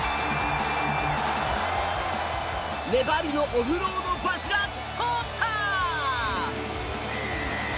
粘りのオフロードパスが通った！